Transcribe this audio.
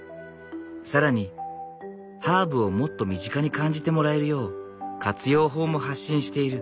更にハーブをもっと身近に感じてもらえるよう活用法も発信している。